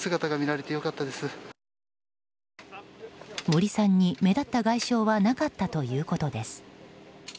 森さんに目立った外傷はなかったということです。